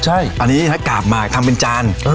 อันนี้นะกราบหมักทำเป็นจาน